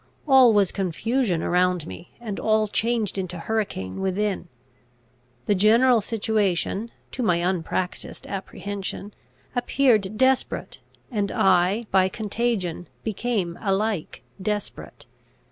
All was confusion around me, and all changed into hurricane within. The general situation, to my unpractised apprehension, appeared desperate, and I by contagion became alike desperate.